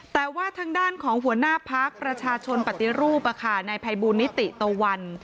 แต่ว่าทางด้านของหัวหน้าพักประชาชนปฏิรูปนายภัยบูลนิติตะวัน